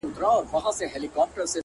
د ښایستونو خدایه سر ټیټول تاته نه وه!